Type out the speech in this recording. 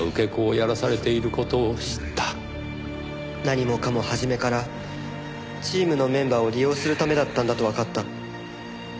何もかも初めからチームのメンバーを利用するためだったんだとわかった。